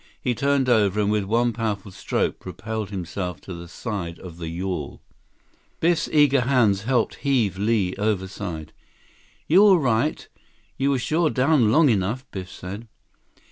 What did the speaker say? He turned over, and with one powerful stroke, propelled himself to the side of the yawl. Biff's eager hands helped heave Li overside. "You all right? You were sure down long enough!" Biff said.